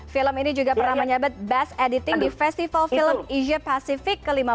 film ini juga pernah menyabet best editing di festival film asia pasifik ke lima belas